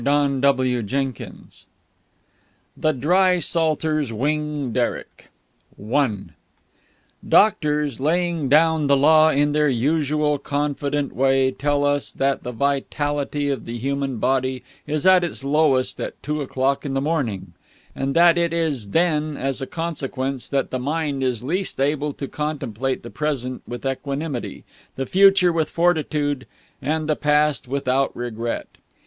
said Jill. CHAPTER VIII THE DRY SALTERS WING DEREK I Doctors, laying down the law in their usual confident way, tell us that the vitality of the human body is at its lowest at two o'clock in the morning: and that it is then, as a consequence, that the mind is least able to contemplate the present with equanimity, the future with fortitude, and the past without regret.